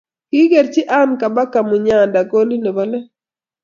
Kikerchi Ann Kabaka Munyanda kolit ne bo let .